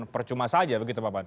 percuma saja begitu bapak